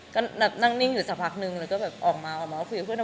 ก็นั่งนิ่งอยู่สักพักนึงแล้วก็แบบออกมาออกมาคุยกับเพื่อน